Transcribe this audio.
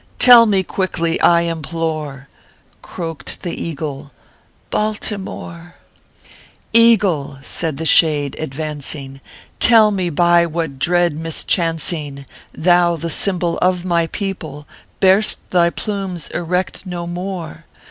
Tell me quickly, I implore !" Croaked the eagle " BALTIMORE !"" Eagle," said the Shade, advancing, |: tell mo by what dread mis chancing Thou, tho symbol of my people, bear st thy plumes erect no more